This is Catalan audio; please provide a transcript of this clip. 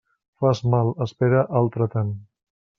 Fas mal, espera altre tant.